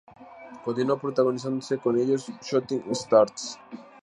Continuó protagonizando con ellos "Shooting Stars".